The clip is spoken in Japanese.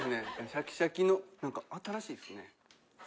シャキシャキの何か新しいっすね。